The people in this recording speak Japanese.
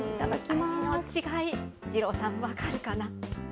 その違い、二郎さん、分かるかな。